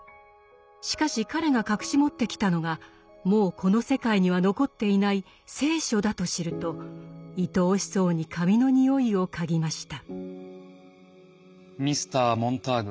しかし彼が隠し持ってきたのがもうこの世界には残っていない「聖書」だと知るといとおしそうに紙の匂いを嗅ぎました。